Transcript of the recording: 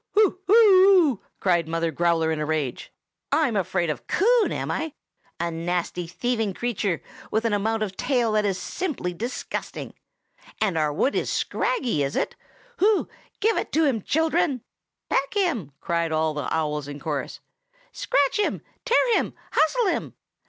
"Hoo! hoo!" cried Mother Growler in a rage. "I'm afraid of Coon, am I? A nasty, thieving creature, with an amount of tail that is simply disgusting! And our wood is scraggy, is it? Hoo! Give it to him, children!" "Peck him!" cried all the owls in chorus; "scratch him! tear him! hustle him!"